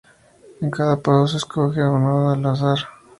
En cada paso se escoge un nodo al azar.